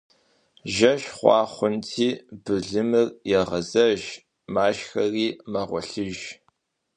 Жэщ хъуа хъунти, былымыр егъэзэгъэж, машхэри мэгъуэлъыж.